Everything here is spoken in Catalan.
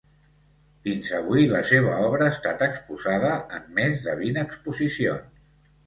Fins avui, la seva obra ha estat exposada en més de vint exposicions.